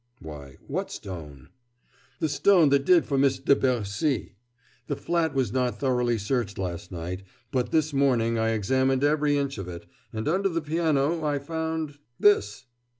"Why what stone?" "The stone that did for Miss de Bercy. The flat was not thoroughly searched last night, but this morning I examined every inch of it, and under the piano I found this."